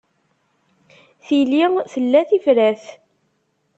Tili tella tifrat.